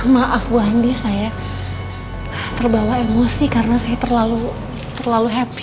maaf bu andi saya terbawa emosi karena saya terlalu terlalu happy